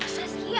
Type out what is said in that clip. susah sekali ya